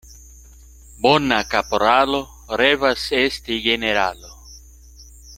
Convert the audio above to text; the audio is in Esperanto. Bona kaporalo revas esti generalo.